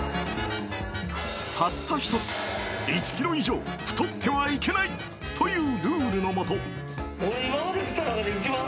たった１つ、１ｋｇ以上太ってはいけないというルールのもと。